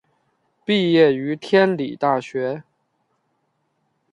毕业于天理大学。